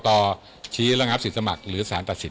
ก็ทางกรกตชี้รังอัพศิษย์สมัครหรือสารตัดสินครับ